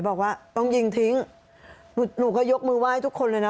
บอกว่าต้องยิงทิ้งหนูก็ยกมือไหว้ทุกคนเลยนะ